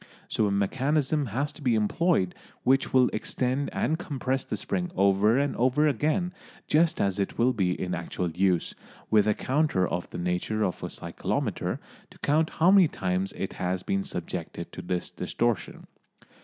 So a mechanism has to be employed which will extend and compress the spring over and over again, just as it will be in actual use, with a counter of the nature of a cyclometer to count how many times it has been subjected to this distortion.